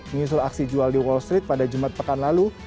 menyusul aksi jual di wall street pada jumat pekan lalu